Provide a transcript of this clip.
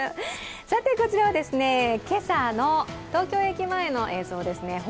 さて、こちらは今朝の東京駅前の映像ですね。